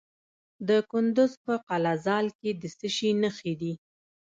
د کندز په قلعه ذال کې د څه شي نښې دي؟